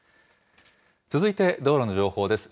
続いて道路の情報です。